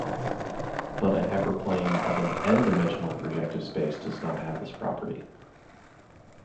But a hyperplane of an "n"-dimensional projective space does not have this property.